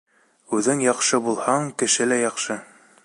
Үҙең яҡшы булһаң, кеше лә яҡшы.